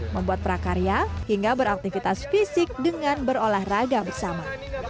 membuat prakarya hingga beraktivitas fisik dengan berolah raga bersama